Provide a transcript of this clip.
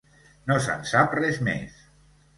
No se'n sap res més.